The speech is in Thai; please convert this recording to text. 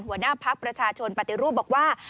หัวหน้าพักประชาชนปฏิรูปบอกว่า